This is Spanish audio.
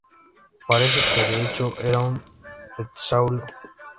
Parece que, de hecho, era un pterosaurio.